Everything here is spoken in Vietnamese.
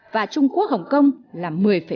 và trung quốc hồng kông là một mươi ba